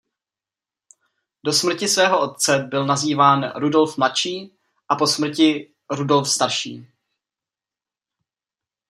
Do smrti svého otce byl nazýván "Rudolf Mladší" a po smrti "Rudolf Starší".